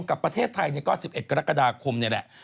กับประเทศไทยก็๑๑กรกฎาคมนี่แหละ